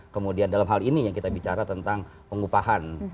kemudian dalam hal ini yang kita bicara tentang pengupahan